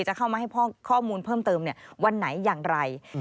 จะเข้ามาให้ข้อมูลเพิ่มเติมวันไหนอย่างไร